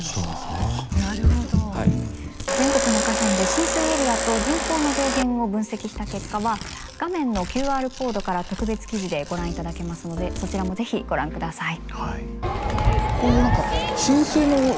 全国の河川で浸水エリアと人口の増減を分析した結果は画面のＱＲコードから特別記事でご覧いただけますのでそちらも是非ご覧ください。